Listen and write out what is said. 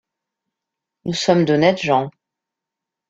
Nous sommes d’honnêtes gens...